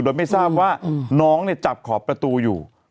โดยไม่ทราบว่าน้องเนี่ยจับขอบประตูอยู่